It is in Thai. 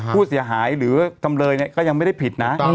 ผู้เสียหายหรือจำเลยก็ยังไม่ได้ผิดนะ